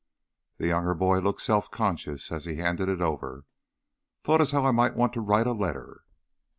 The younger boy looked self conscious as he handed it over. "Thought as how I might want to write a letter."